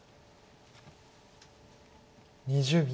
２０秒。